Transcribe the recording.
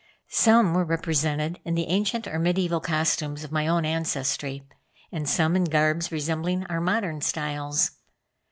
Some were represented in the ancient or mediaeval costumes of my own ancestry, and some in garbs resembling our modern styles.